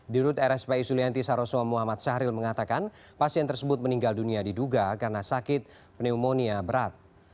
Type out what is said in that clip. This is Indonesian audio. dirut rspi sulianti saroso muhammad syahril mengatakan pasien tersebut meninggal dunia diduga karena sakit pneumonia berat